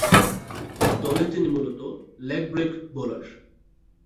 দলে তিনি মূলতঃ লেগ ব্রেক বোলার।